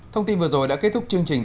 thông tin vừa rồi đã kết thúc chương trình